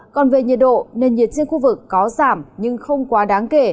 còn về nhiệt độ nền nhiệt trên khu vực có giảm nhưng không quá đáng kể